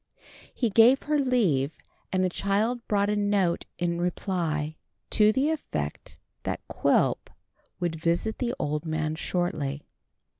He gave her leave, and the child brought a note in reply, to the effect that Quilp would visit the old man shortly.